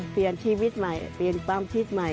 เปลี่ยนชีวิตใหม่เปลี่ยนความคิดใหม่